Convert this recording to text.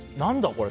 これ。